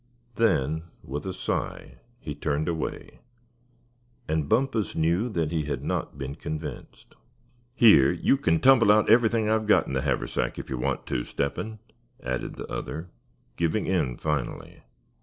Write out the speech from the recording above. Then with a sigh he turned away; and Bumpus knew that he had not been convinced. "Here, you c'n tumble out everything I've got in the haversack, if you want to, Step hen," added the other, giving in finally.